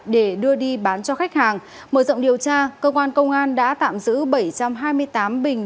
để đưa đi bán cho khách hàng mở rộng điều tra cơ quan công an đã tạm giữ bảy trăm hai mươi tám bình